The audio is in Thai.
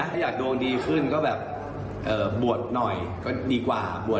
ตรงนี้ก็ค่อยเศรษฐาไปดีกว่า